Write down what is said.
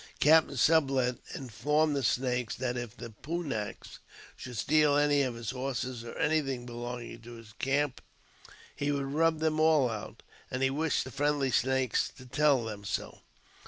Captain Sublet informed the Snakes that if the Pun naks should steal any of his horses or anything] belonging to his camp, he would rub them all out, and hei wished the friendly Snakes to tell them so.